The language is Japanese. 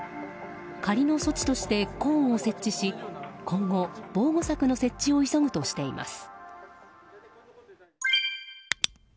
仮の措置としてコーンを設置し今後、防護柵の設置を急ぐとしています。